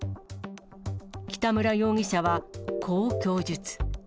北村容疑者は、こう供述。